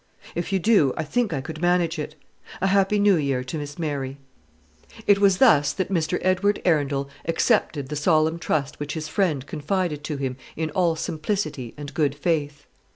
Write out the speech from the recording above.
If you do, I think I could manage it. A happy new year to Miss Mary!" It was thus that Mr. Edward Arundel accepted the solemn trust which his friend confided to him in all simplicity and good faith.